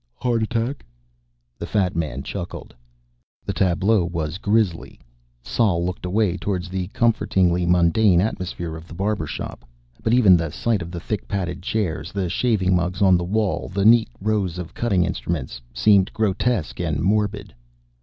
"Heart attack." The fat man chuckled. The tableau was grisly. Sol looked away, towards the comfortingly mundane atmosphere of the barber shop. But even the sight of the thick padded chairs, the shaving mugs on the wall, the neat rows of cutting instruments, seemed grotesque and morbid.